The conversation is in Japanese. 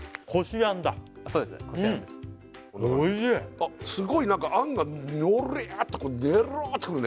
あっすごいなんかあんがのりゃっとねろってくるね